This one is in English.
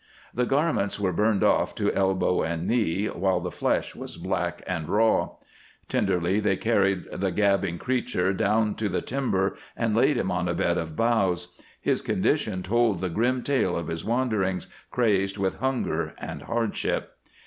The garments were burned off to elbow and knee, while the flesh was black and raw. Tenderly they carried the gabbing creature down to the timber and laid him on a bed of boughs. His condition told the grim tale of his wanderings, crazed with hunger and hardship.